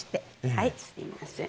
はいすみません。